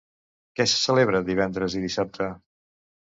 Què se celebra divendres i dissabte?